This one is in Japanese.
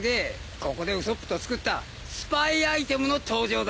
ここでウソップと作ったスパイアイテムの登場だ。